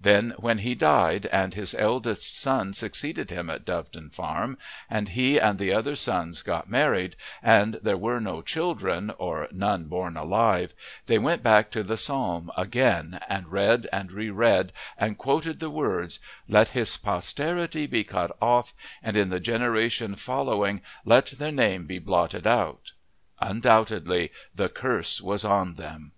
Then, when he died, and his eldest son succeeded him at Doveton Farm, and he and the other sons got married, and there were no children, or none born alive, they went back to the Psalm again and read and re read and quoted the words: "Let his posterity be cut off; and in the generation following let their name be blotted out." Undoubtedly the curse was on them!